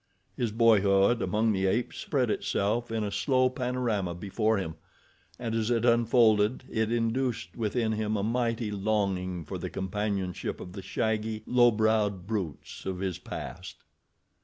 His boyhood among the apes spread itself in a slow panorama before him, and as it unfolded it induced within him a mighty longing for the companionship of the shaggy, low browed brutes of his past.